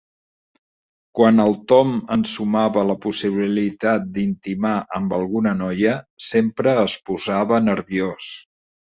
Quan el Tom ensumava la possibilitat d'intimar amb alguna noia sempre es posava nerviós.